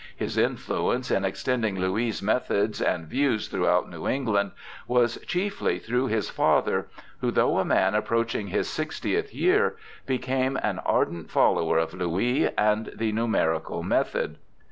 His influence in extending Louis' methods and views throughout New England was chiefly through his father, who, though a man approaching his sixtieth year, became an ardent follower of Louis and the nu merical method.